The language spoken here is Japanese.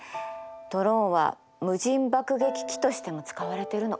ドローンは無人爆撃機としても使われてるの。